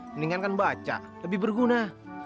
mendingan kan baca lebih berguna